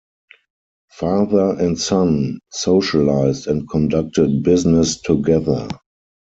Father and son socialized and conducted business together.